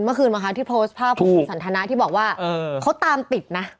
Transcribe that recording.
เมื่อคืนนะคะที่โพสต์ภาพของคุณสันทนาที่บอกว่าเขาตามติดนะ